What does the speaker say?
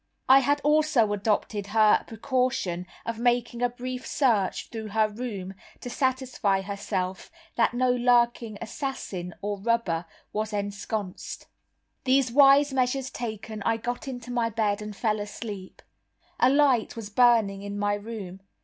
I had also adopted her precaution of making a brief search through her room, to satisfy herself that no lurking assassin or robber was "ensconced." These wise measures taken, I got into my bed and fell asleep. A light was burning in my room.